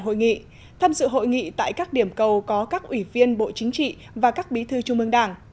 hội nghị tham dự hội nghị tại các điểm cầu có các ủy viên bộ chính trị và các bí thư trung ương đảng